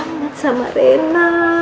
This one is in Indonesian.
pengen air sama rena